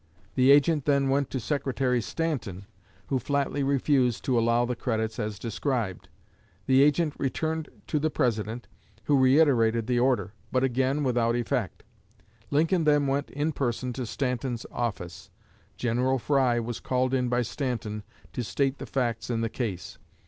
The agent then went to Secretary Stanton, who flatly refused to allow the credits as described. The agent returned to the President, who reiterated the order, but again without effect. Lincoln then went in person to Stanton's office. General Fry was called in by Stanton to state the facts in the case.